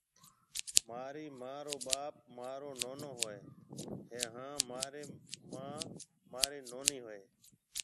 مهارِي مان رو ٻاپ مهارو نونو هوئيَ هيَ هانَ مان رِي مان مهارِي نونِي هوئيَ هيَ۔